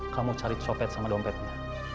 kamu cari copet sama dompetnya